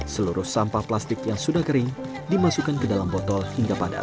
seluruh sampah plastik yang sudah kering dimasukkan ke dalam botol hingga padat